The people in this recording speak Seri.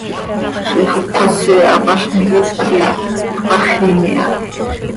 Ziix ipxasi hapaznij hipquij cpajim iha.